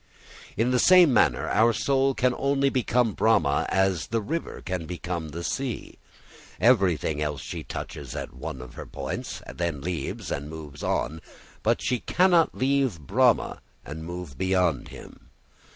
In the same manner, our soul can only become Brahma as the river can become the sea. Everything else she touches at one of her points, then leaves and moves on, but she never can leave Brahma and move beyond him.